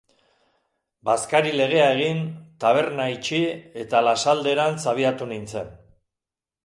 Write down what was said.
Bazkari-legea egin, taberna itxi eta Lasalderantz abiatu nintzen.